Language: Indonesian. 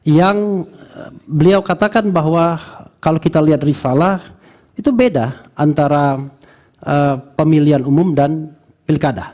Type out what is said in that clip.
yang beliau katakan bahwa kalau kita lihat risalah itu beda antara pemilihan umum dan pilkada